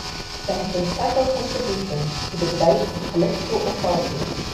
There have been several contributions to the debate of political authority.